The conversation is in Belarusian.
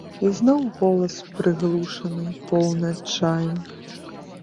І зноў голас, прыглушаны, поўны адчаю.